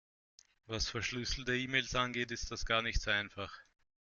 Was verschlüsselte E-Mails angeht, ist das gar nicht so einfach.